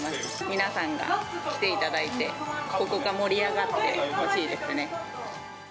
皆さんが来ていただいて、ここが盛り上がってほしいですね。